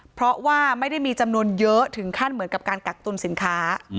เพราะว่าไม่ได้มีจำนวนเยอะถึงขั้นเหมือนกับการกักตุลสินค้า